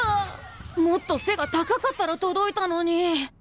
もっと背が高かったら届いたのに。